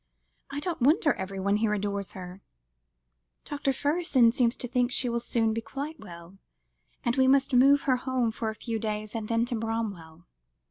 I don't wonder everyone here adores her." "Dr. Fergusson seems to think she will soon be quite well, and we must move her home for a few days, and then to Bramwell."